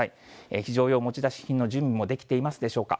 非常用持ち出し品の準備もできていますでしょうか。